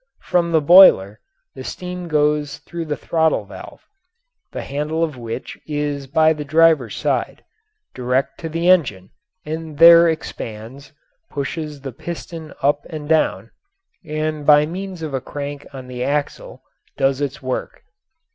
From the boiler the steam goes through the throttle valve the handle of which is by the driver's side direct to the engine, and there expands, pushes the piston up and down, and by means of a crank on the axle does its work.